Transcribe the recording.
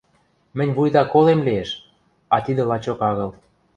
Мӹнь вуйта колем лиэш, а тидӹ лачок агыл...